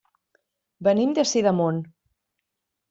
Venim de Sidamon.